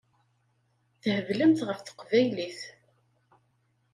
Theblemt ɣef teqbaylit.